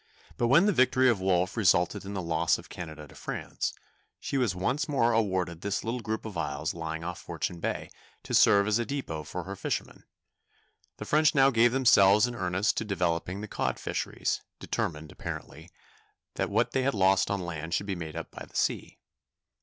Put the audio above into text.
But when the victory of Wolfe resulted in the loss of Canada to France, she was once more awarded this little group of isles lying off Fortune Bay, to serve as a depot for her fishermen. The French now gave themselves in earnest to developing the cod fisheries, determined, apparently, that what they had lost on land should be made up by the sea.